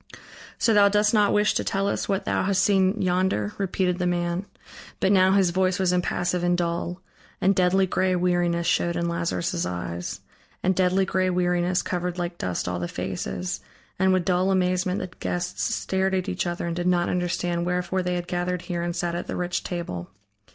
"So thou dost not wish to tell us what thou hast seen yonder?" repeated the man. But now his voice was impassive and dull, and deadly gray weariness showed in Lazarus' eyes. And deadly gray weariness covered like dust all the faces, and with dull amazement the guests stared at each other and did not understand wherefore they had gathered here and sat at the rich table.